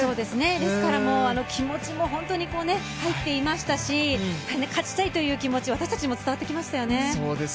ですから気持ちも入っていましたし勝ちたいという気持ち、私たちにも伝わってきましたよね。